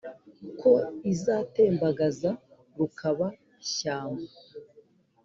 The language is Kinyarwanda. ko izatembagaza rukaba-shyamba,